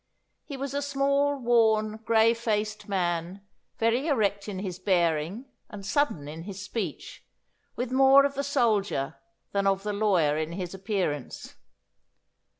He was a small, worn, grey faced man, very erect in his bearing and sudden in his speech, with more of the soldier than of the lawyer in his appearance.